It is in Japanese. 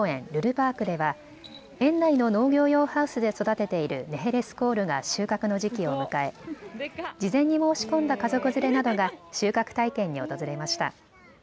パークでは園内の農業用ハウスで育てているネヘレスコールが収穫の時期を迎え事前に申し込んだ家族連れなどが収穫体験に訪れました。